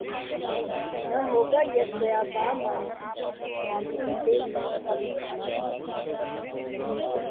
نہ ہوگا یک بیاباں ماندگی سے ذوق کم میرا